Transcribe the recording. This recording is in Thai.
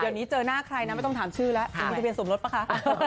เดี๋ยวนี้เจอหน้าใครนะไม่ต้องถามชื่อแล้วจะมีทะเบียนสมรสป่ะคะ